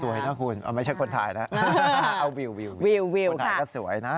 สวยนะคุณไม่ใช่คนไทยนะเอาวิวคุณไทยก็สวยนะ